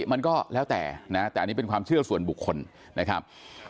มันก็แล้วแต่นะแต่อันนี้เป็นความเชื่อส่วนบุคคลนะครับ